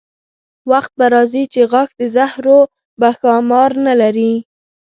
وخت به راځي چې غاښ د زهرو به ښامار نه لري.